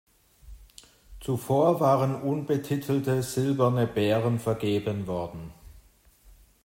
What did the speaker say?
Zuvor waren unbetitelte Silberne Bären vergeben worden.